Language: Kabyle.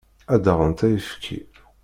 Ad d-aɣent ayefki.